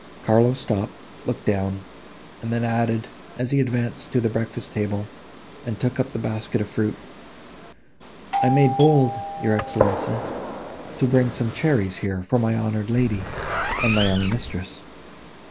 Carlo stopped, looked down, and then added, as he advanced to the breakfast table, and took up the basket of fruit, "I made bold, your Excellenza, to bring some cherries, here, for my honoured lady and my young mistress.